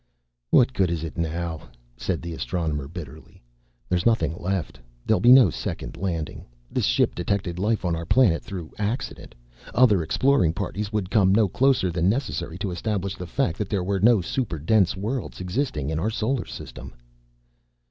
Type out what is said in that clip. "What good is it now?" said the Astronomer, bitterly. "There's nothing left. There'll be no second landing. This ship detected life on our planet through accident. Other exploring parties would come no closer than necessary to establish the fact that there were no super dense worlds existing in our solar system."